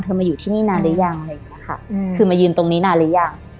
เธอมาอยู่ที่นี่นานหรือยังเลยค่ะอืมคือมายืนตรงนี้นานหรือยัง